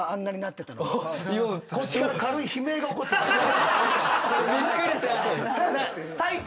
こっちから軽い悲鳴が起こってた。